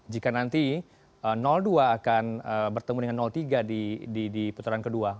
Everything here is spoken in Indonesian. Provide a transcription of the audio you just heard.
jika nanti dua akan bertemu dengan tiga di putaran kedua